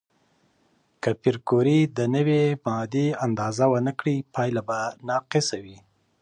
که پېیر کوري د نوې ماده اندازه ونه کړي، پایله به ناقصه وي.